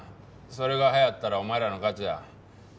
それが流行ったらお前らの勝ちや。